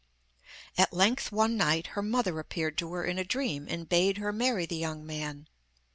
At length one night her mother appeared to her in a dream, and bade her marry the young man.